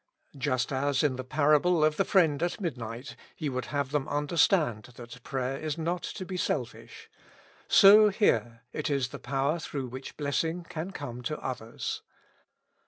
Just as in the parable of the friend at mid night. He would have them understand that prayer is not to be selfish; so here it is the power through which blessing can come to others.